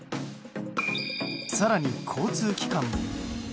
更に交通機関も。